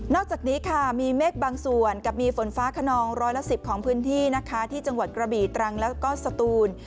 อกจากนี้ค่ะมีเมฆบางส่วนกับมีฝนฟ้าขนองร้อยละ๑๐ของพื้นที่นะคะที่จังหวัดกระบี่ตรังแล้วก็สตูน